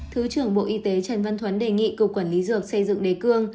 thứ trưởng bộ y tế trần văn thuấn đề nghị cục quản lý dược xây dựng đề cương